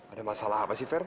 ada masalah apa sih fair